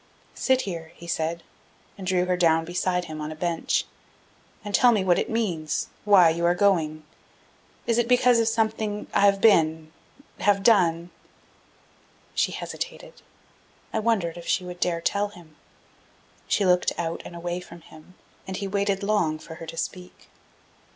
"Sit here," he said, and drew her down beside him on a bench, "and tell me what it means, why you are going. Is it because of something that I have been have done?" She hesitated. I wondered if she would dare tell him. She looked out and away from him, and he waited long for her to speak.